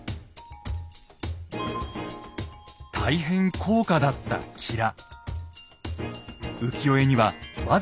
大変高価だったきら。